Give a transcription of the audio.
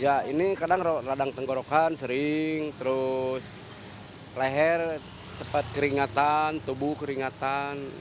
ya ini kadang radang tenggorokan sering terus leher cepat keringatan tubuh keringatan